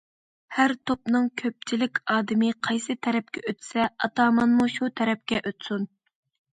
ھەر توپنىڭ كۆپچىلىك ئادىمى قايسى تەرەپكە ئۆتسە، ئاتامانمۇ شۇ تەرەپكە ئۆتسۇن.